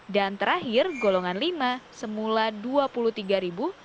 dan terakhir golongan lima semula rp dua puluh tiga